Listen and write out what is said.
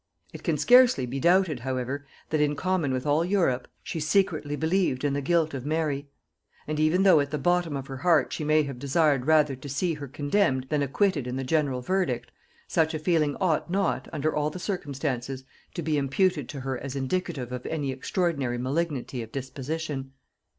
It can scarcely be doubted however, that, in common with all Europe, she secretly believed in the guilt of Mary; and even though at the bottom of her heart she may have desired rather to see her condemned than acquitted in the general verdict, such a feeling ought not, under all the circumstances, to be imputed to her as indicative of any extraordinary malignity of disposition.